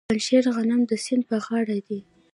د پنجشیر غنم د سیند په غاړه دي.